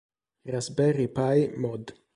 Raspberry Pi mod.